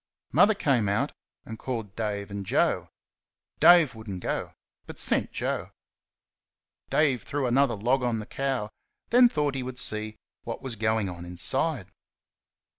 Mother came out and called Dave and Joe. Dave would n't go, but sent Joe. Dave threw another log on the cow, then thought he would see what was going on inside.